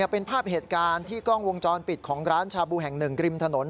เป็นภาพเหตุการณ์ที่กล้องวงจรปิดของร้านชาบูแห่งหนึ่งกริมถนน